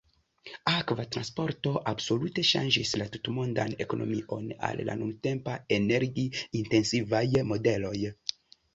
Akva transporto absolute ŝanĝis la tutmondan ekonomion al la nuntempa energi-intensivaj modeloj.